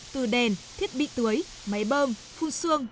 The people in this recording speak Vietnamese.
từ đèn thiết bị tưới máy bơm phun xương